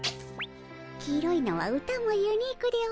黄色いのは歌もユニークでおじゃる。